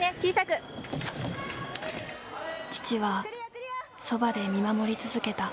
父はそばで見守り続けた。